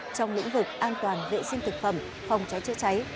trong lĩnh vực an toàn vệ sinh thực phẩm phòng chó chữa cháy